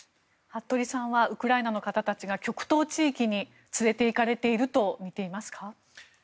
服部さんはウクライナの方たちが極東地域に連れていかれているとみていますか？